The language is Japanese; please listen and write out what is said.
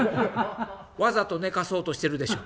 わざと寝かそうとしてるでしょ。